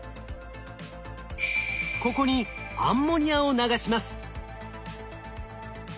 ここにアンモニアを流します。